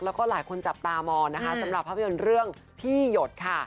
แล้วก็หลายคนจับตามองนะคะสำหรับภาพยนตร์เรื่องพี่หยดค่ะ